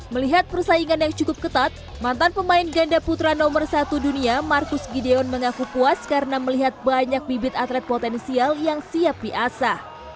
melihat persaingan yang cukup ketat mantan pemain ganda putra nomor satu dunia marcus gideon mengaku puas karena melihat banyak bibit atlet potensial yang siap diasah